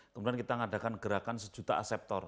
kemudian kita mengadakan gerakan sejuta aseptor